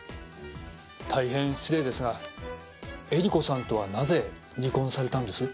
大変失礼ですが英理子さんとはなぜ離婚されたんです？